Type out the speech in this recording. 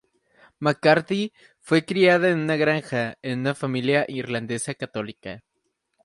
McCarthy fue criada en una granja, en una familia irlandesa católica.